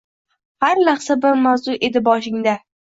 Har lahza bir mavzu edi boshingda